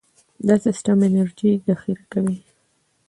دا سیستم انرژي ذخیره کوي.